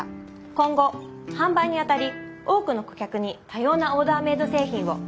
今後販売にあたり多くの顧客に多様なオーダーメード製品を。